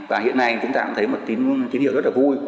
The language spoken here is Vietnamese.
và hiện nay chúng ta cũng thấy một tín hiệu rất là vui